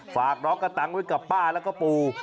ฝากน้องกระตังไว้กับป้าแล้วก็ปู่